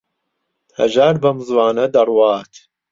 هەژار بەم زووانە دەڕوات.